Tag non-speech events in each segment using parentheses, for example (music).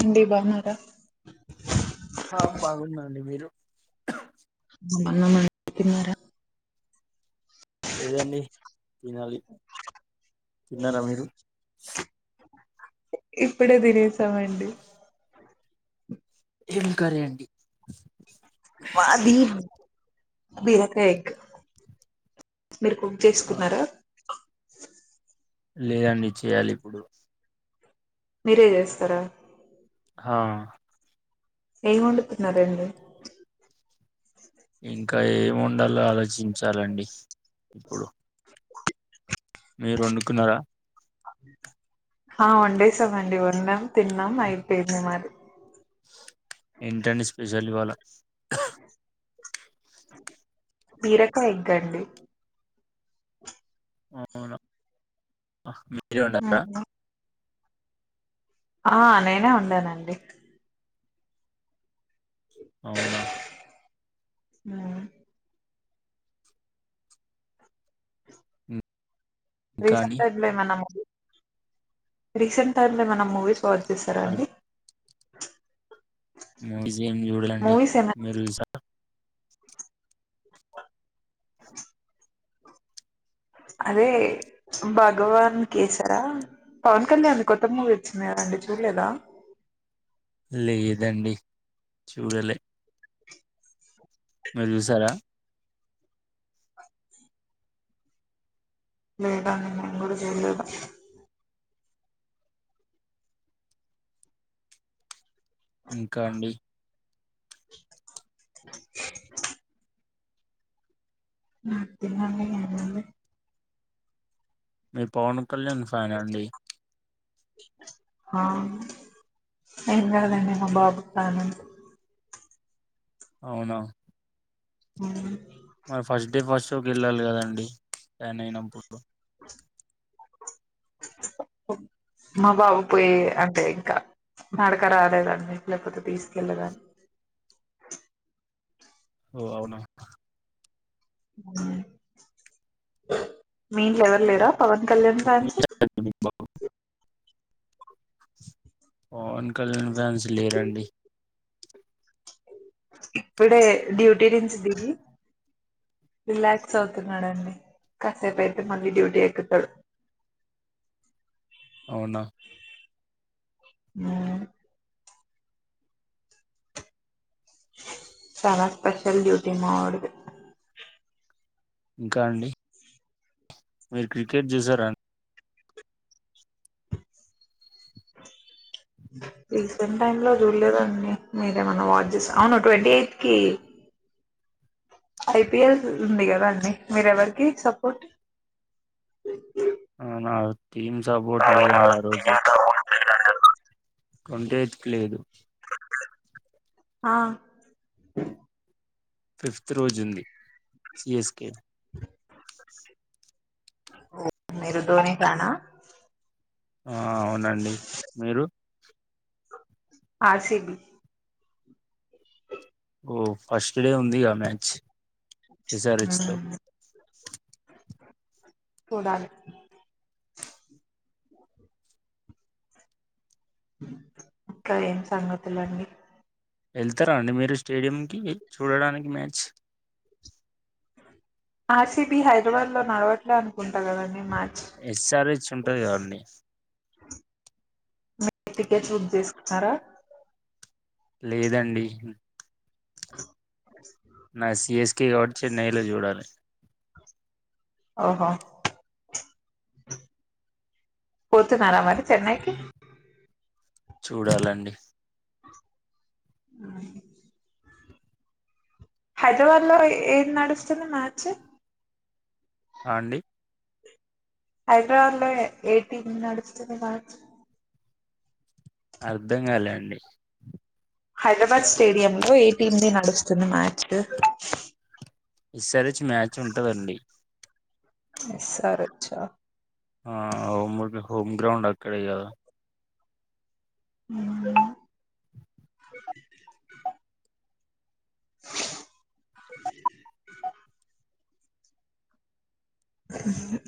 అండి బాన్నారా హా బాగుందండి మీరు బాన్నామండి తిన్నారా లేదండి తినాలి తిన్నారా మీరు ఇప్పుడే తినేసామండి ఏం కర్రీ అండి బస్ మాది బీరకాయి క మీరు కుక్ ఆ చేసుకున్నారా లేదండి చేయాలి ఇప్పుడు మీరే చేస్తరా హా ఏం వండుతున్నారండి ఇంకా ఏం వండాలో ఆలోచించాలండి ఇప్పుడు మీరు వండుకున్నారా ఆ వండేసామండి వన్నాం తిన్నాం అయిపోయింది మరి ఏంటండి స్పెషల్ ఇవాళ బీరకాయ్ ఎగ్గండి అవును (inaudible) తిరువనక ఆ నేనే వండానండి. అవునా ఉమ్ ఇంకా రీసెంట్ అండి టైప్ లో ఏమన్నా రీసెంట్ టైమ్ లో ఏమన్నా మూవీస్ వాచ్ చేసారా అండి మూవీస్ ఏం చూడాలే అండి మూవీస్ ఏమైనా మీరు చూసారా. అదే భగవాన్ కేసరా పవన్ కళ్యాణ్ కొత్త మూవీ వచ్చింది కదండి చూడలేదా లేదండి చూడ లే మీరు చూసేరా లేదండి మేము కూడా చేయలేదు. ఇంకా అండి నాది తినండి ఏముంది. మీరు పవన్ కళ్యాణ్ ఫ్యానా అండి. ఎక్కడిదండి మా బాబు (unintelligible) అవునా అవును మరి ఫస్ట్ డే ఫస్ట్ షో కి వెళ్ళాలి కదండి ఫ్యాన్ అయినప్పుడు మా బాబు పోయి అంటే ఇంకా నడక రాలేదండి లేకపోతే తీసు కెళ్ళేదాన్నీ ఓ అవునా (inaudible) మీ ఇంట్లో ఎవరు లేరా పవన్ కళ్యాణ్ ఏం ఫ్యాన్స్ చేశారండి మీకు పవన్ కల్యాణ్ ఫ్యాన్స్ లేరండి. ఇప్పుడే డ్యూటీ నుంచి దిగి రిలాక్స్ అవుతున్నాడండి కాసేపు అయితే మళ్ళీ డ్యూటీ ఎక్కుతాడు. అవునా ఉమ్మ్ చాలా స్పెషల్ డ్యూటీ మా వాడిది. ఇంకా అండి మీరు క్రికెట్ చేసారా అ రీసెంట్ టైమ్ లో చూడలేదండి మీరు ఏమన్నా వాచ్ చే అవును ట్వంటీ ఎయిట్ కి ఐపీఎల్ ఉంది కదా అండి మీరు ఎవరికి సపోర్ట్ అవునా టీమ్ సపోర్ట్ లేదండి ఆ రోజు కొంటే ఎతుకి లేదు ఆ ఫిఫ్త్ రోజు ఉంది సి ఎస్కే ఓ మీరు దోని ఫ్యాన్ ఆ ఆ అవునండి మీరు ఆర్ సి బి ఓ ఫస్ట్ డే ఉందిగా మ్యాచ్ ఎస్ఆర్హెచ్ తో మ్ చూడాలి ఇంకా ఏం సంగతులండి వెళ్తారా అండి మీరు స్టేడియం కి చూడడానికి match R C B Hyderabad లో నడవట్లే అనుకుంటా కదండి మ్యాచ్ ఎస్ఆర్ (unintelligible) ఉంటది అండి టికెట్స్ బుక్ చేసుకున్నారా లేదండి నా సి ఎస్ కె కాబట్టి చెన్నై లో చూడాలి ఓహో పోతున్నారా మరి చెన్నైకి చూడాలండి మ్మ్ హైదరాబాద్ లో ఏది నడుస్తుంది మ్యాచ్ ఆడి హైదరాబాద్ లో ఏ టీం నడుస్తుంది మ్యాచ్ అర్ధం కాలే అండి హైదరాబాద్ స్టేడియంలో ఏ టీం ది నడుస్తుంది మ్యాచ్ విసరిచ్చ మ్యాచ్ ఉంట అండి ఎస్ ఆర్ హచ్ ఆ ఆ (unintelligible) హోమ్ గ్రౌండ్ అక్కడే కదా మ్మ్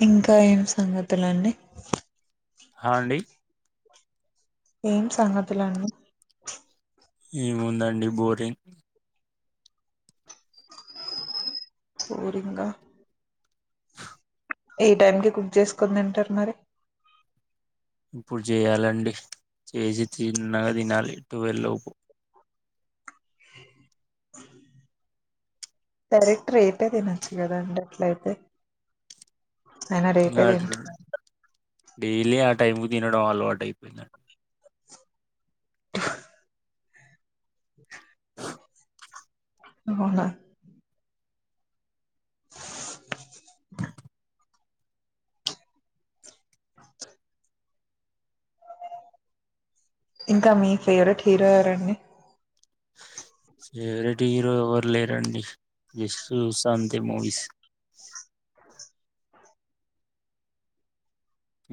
ఇంకా ఏం సంగతులండి హా అండి ఏం సంఘతులు అండి ఏముందండి బోరింగ్ బోరింగ్ ఆ ఏ టైం కి కుక్ చేసుకొని తింటారు మరి ఇప్పుడు చేయాలండి చేసి చిన్నగా తినాలి ట్వీలవ్ లోపు డైరెక్ట్ రేపే తినొచ్చు కదాండి అట్లా అయితే అయినా రేపే ఇంకా తింటా డైలీ ఆ టైం కూ తినడం అలవాటు అయిపోయిందండి అవునా ఇంకా మీ ఫేవరెట్ హీరో ఎవరండి ఫేవరెట్ హీరో ఎవరు లేరండి విస్సు శాంతి మూవీస్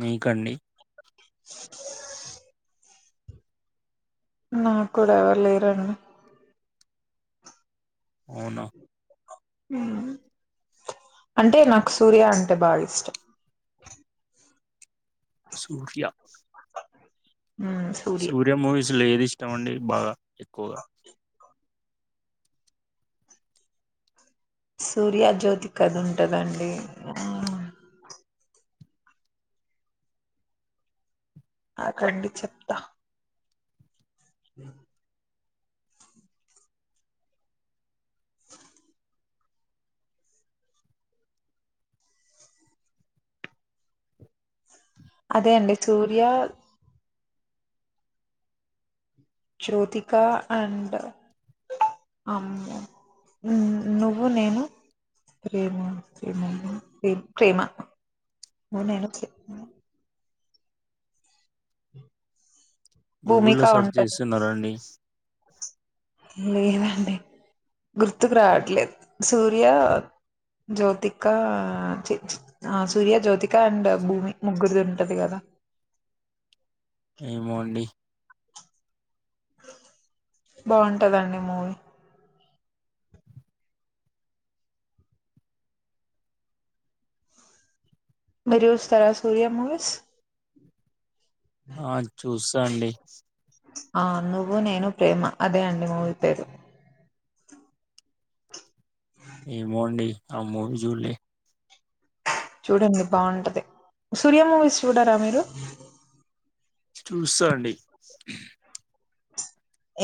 మీకండి నా కూడా ఎవరు లేరండి అవునా అంటే నాకు సూర్య అంటే బాగా ఇష్టం సూర్య సూర్య మూవీస్లు ఏది ఇస్తమండి బాగా ఎక్కువగా సూర్య జ్యోతి కథ ఉంటదండి అక్కడున్డి చెప్తా అ అదే అండి సూర్య జ్యోతిక అండ్ అమ్మ నువ్వు నేను ప్రేమ ప్రేమ ప్రే ప్రేమమ్మ నువ్వు నేను ప్రేమ భూమిక గూగుల్లో సెర్చ్ ఉంటది చేస్తున్నాండి లేదండి గుర్తుకు రావట్లేదు సూర్య జ్యోతిక చ్ ఆ సూర్య జ్యోతిక అండ్ భూమి ముగ్గురిది ఉంటది కదా ఏమోండి బాగుంటదండి మూవీ మీరు చూస్తారా సూర్యా మూవీస్ ఆ చూసా అండి ఆ నువ్వు నేను ప్రేమ అదే అండి మూవి పేరు ఏమో అండి అ మూవీ చూడలే చూడండి బాగుంటది సూర్య మూవీస్ చూడారా మీరు చూస్తా అండి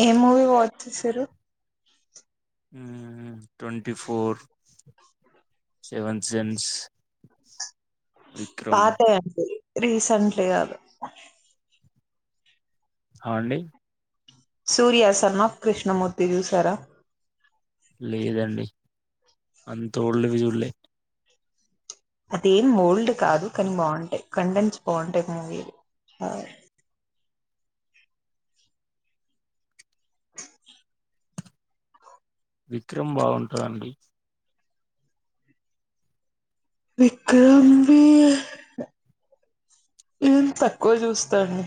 ఏ మూవీ వాచ్ చేసారు ట్వంటీ ఫోర్ సెవెన్ సెన్స పాతవి అన్ని రీసెంట్లీ కాదు అ అండి సూర్య సన్నాఫ్ కృష్ణమూర్తి చూశారా లేదండి అంత ఓల్డ్ వి చూడలే అదేం వోల్డ్ కాదు కని బావుంటయి కండేన్స్ బావుంటయి టాయి మూవీలు విక్రమ్ బావుంటదండి విక్రమ్వి ఏం తక్కువ చూస్తాను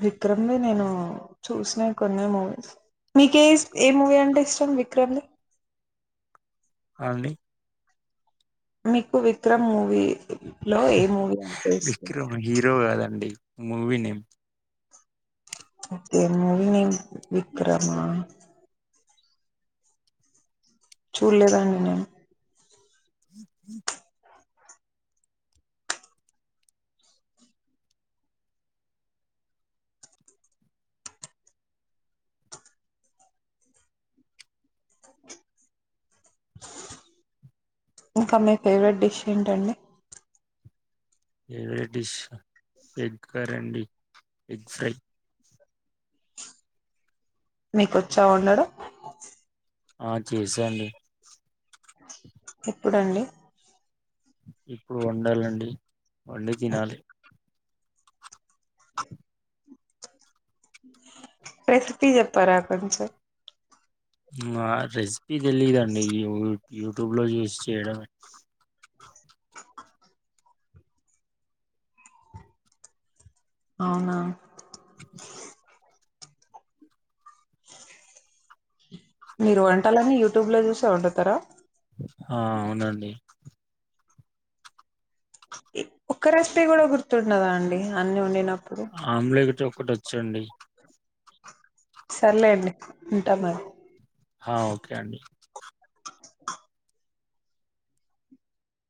విక్రమ్ ని నేను చూసిన కొన్ని మూవీ మీకి ఏ ఏ మూవీ అంటే ఇష్టం విక్రమ్ ది అండి మీకు విక్రమ్ మూవీ లో ఏ మూవీ అంటే ఇష్టం విక్రమ్ హీరో కాదండి మూవీ నేమ్ తే మూవీ నేమ్ విక్రమా చూల్లేదండి నేను ఇంకా మీ ఫేవరెట్ డిష్ ఏంటండి ఫేవరెట్ డిష్ ఆ ఎగ్ కర్రీ అండి ఎగ్ ఫ్రై మీకొచ్చా వొండడం ఆ చేసా అండి ఎప్పుడండి ఇప్పుడు వండాలండి వండి తినాలి రెసిపీ చెప్పరా కొంచెం ఆ రెసిపీ తెలియదండి ఈ యూ యూట్యూబ్ లో చూసి చేయడమే అవునా మీరు వంటలన్ని యూట్యూబ్ లో చూసే వండుతరా ఆ అవునండి ఒక్క రెసిపీ కూడ గుర్తుండదా అండి అన్ని వొండిన ఆంలేగ్ టి ఒకటొచ్చండి సర్లెండి ఉంటా మరి ఆ ఓకె అండి